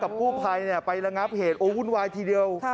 กับกู้ภัยไประงับเหตุโอวุลวายทีเดียวครับ